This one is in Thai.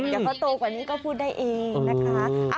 เดี๋ยวเขาโตกว่านี้ก็พูดได้เองนะคะ